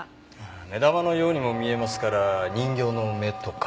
目玉のようにも見えますから人形の目とか？